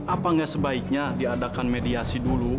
apa nggak sebaiknya diadakan mediasi dulu